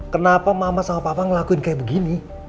kenapa mama sama papa ngelakuin kayak begini